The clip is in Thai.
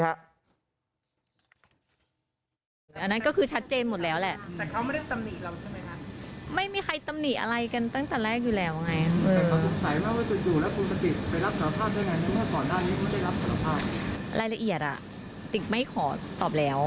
ไม่กังวลไม่ก็ไม่ได้กังวลอะไรค่ะ